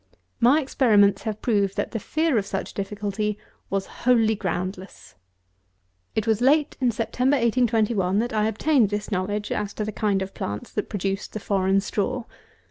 My experiments have proved that the fear of such difficulty was wholly groundless. 217. It was late in September 1821 that I obtained this knowledge, as to the kind of plants that produced the foreign straw.